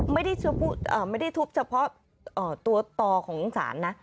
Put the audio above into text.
ไม่ได้ทุบเฉพาะตัวต่อของศาลนะ